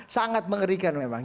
sangat mengerikan memang